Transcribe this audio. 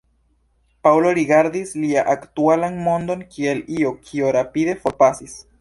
Paŭlo rigardis lia aktualan mondon kiel io, kio rapide forpasis.